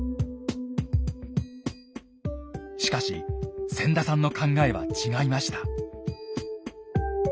しかし千田さんの考えは違いました。